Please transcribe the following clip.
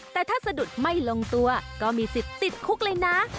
แต่ถ้าสะดุดไม่ลงตัวก็มีสิทธิ์ติดคุกเลยนะ